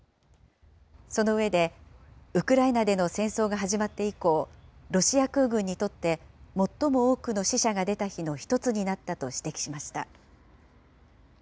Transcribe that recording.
その上で、ウクライナでの戦争が始まって以降、ロシア空軍にとって、最も多くの死者が出た日の一つになったと指摘しました。